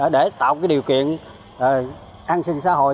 để tạo cái điều kiện an sinh xã hội